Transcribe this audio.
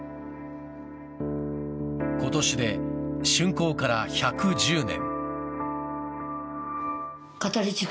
今年で竣工から１１０年。